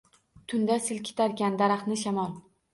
Tunda silkitarkan daraxtni shamol